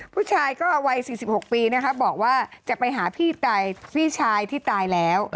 ผู้ชายก็วัย๔๖ปีนะคะบอกว่าจะไปหาพี่ชายที่ตายแล้ว